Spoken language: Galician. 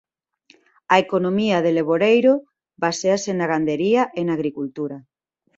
A economía de Leboreiro baséase na gandería e na agricultura.